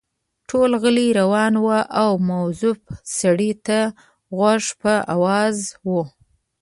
ټول غلي روان وو او مؤظف سړي ته غوږ په آواز وو.